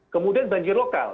kemudian banjir lokal